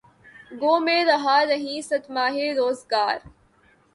گو میں رہا رہینِ ستمہائے روزگار